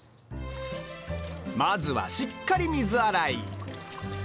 まずはしっかり水洗い。